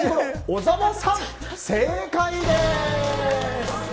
小沢さん、正解です。